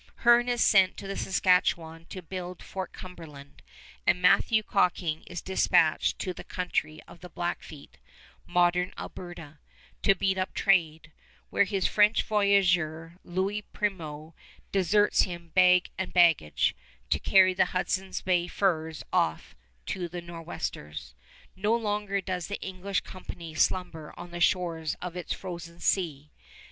Hearne is sent to the Saskatchewan to build Fort Cumberland, and Matthew Cocking is dispatched to the country of the Blackfeet, modern Alberta, to beat up trade, where his French voyageur, Louis Primeau, deserts him bag and baggage, to carry the Hudson's Bay furs off to the Nor'westers. No longer does the English company slumber on the shores of its frozen sea.